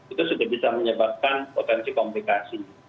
itu sudah bisa menyebabkan potensi komplikasi